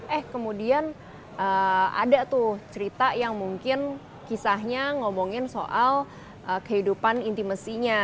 eh kemudian ada tuh cerita yang mungkin kisahnya ngomongin soal kehidupan intimasinya